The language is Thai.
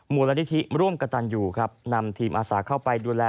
มูลนิธิร่วมกระตันอยู่ครับนำทีมอาสาเข้าไปดูแล